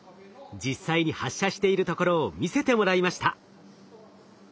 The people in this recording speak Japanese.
実際に発射しているところを見せてもらいました。